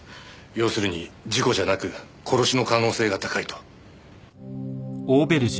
要するに事故じゃなく殺しの可能性が高いと。